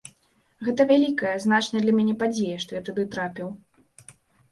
Гэта вялікая, значная для мяне падзея, што я туды трапіў.